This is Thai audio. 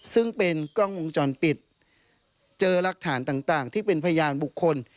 ซึ่งเป็นกล้องวงจรปิดเจอรักฐานต่างที่เป็นพยานบุคคล